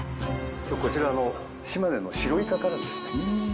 今日こちらの島根の白イカからですね。